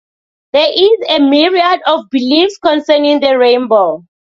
There is a myriad of beliefs concerning the rainbow.